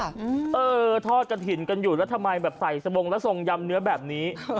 เออทอดกระถิ่นกันอยู่แล้วทำไมแบบใส่สบงแล้วทรงยำเนื้อแบบนี้